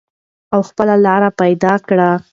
او خپله لار پیدا کړئ.